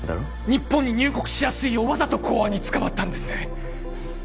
日本に入国しやすいようわざと公安に捕まったんですね